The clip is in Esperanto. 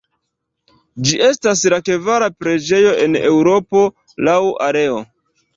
Ĝi estas la kvara preĝejo en Eŭropo laŭ areo.